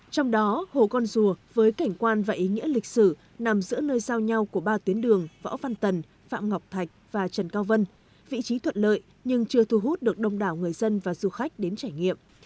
trong đó hồ con dùa với cảnh quan và ý nghĩa lịch sử nằm giữa nơi giao nhau của ba tuyến đường võ văn tần phạm ngọc thạch và trần cao vân vị trí thuận lợi nhưng chưa thu hút được đông đảo người dân và du khách đến trải nghiệm